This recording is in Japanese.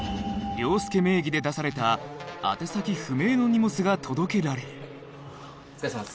凌介名義で出された宛先不明の荷物が届けられるお疲れさまです。